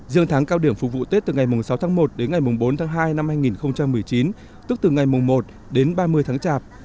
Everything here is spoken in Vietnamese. riêng tháng cao điểm phục vụ tết từ ngày sáu tháng một đến ngày bốn tháng hai năm hai nghìn một mươi chín tức từ ngày một đến ba mươi tháng chạp